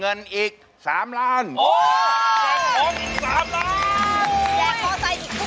แจกมอไซค์อีกทุกวันแจกร้านทุกเยือนเหมือนเดิม